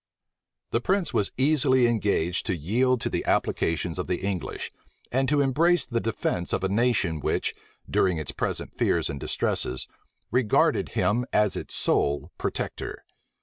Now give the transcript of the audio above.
The prince was easily engaged to yield to the applications of the English, and to embrace the defence of a nation which, during its present fears and distresses, regarded him as its sole protector.